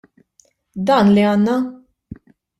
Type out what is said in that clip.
Dan li għandna!